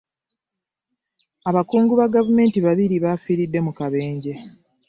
Abakungu ba gavumenti babiri bafiiridde mu kabenje.